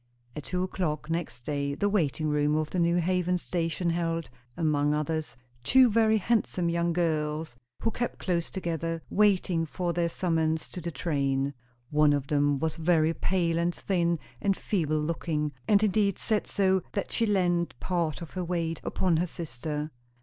At two o'clock next day the waiting room of the New Haven station held, among others, two very handsome young girls; who kept close together, waiting for their summons to the train. One of them was very pale and thin and feeble looking, and indeed sat so that she leaned part of her weight upon her sister.